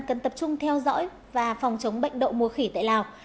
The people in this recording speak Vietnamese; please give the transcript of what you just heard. cần tập trung theo dõi và phòng chống bệnh đậu mùa khỉ tại lào